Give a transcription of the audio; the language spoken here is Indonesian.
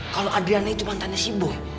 kalau adriana itu mantannya si boy